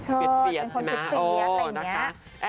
เป็นคนสุดปลีแบบอะไรอย่างเงี้ย